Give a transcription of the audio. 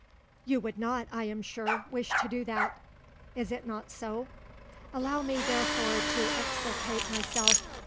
You would not, I am sure, wish to do that; is it not so? Allow me therefore to exculpate myself.